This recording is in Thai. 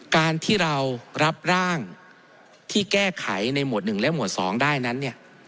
การที่เรารับร่างที่แก้ไขในหมวด๑และหมวด๒ได้นั้นเนี่ย